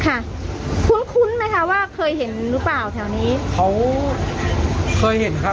น่าจะคุยกันได้ค่ะคุ้นคุ้นไหมคะว่าเคยเห็นรู้เปล่าแถวนี้เค้าเคยเห็นค่ะ